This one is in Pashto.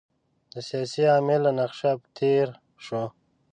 د سیاسي عامل له نقشه تېر شو.